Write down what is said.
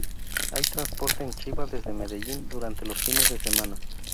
Hay transporte en chiva desde Medellín durante los fines de semana.